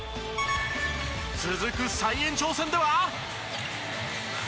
続く再延長戦では。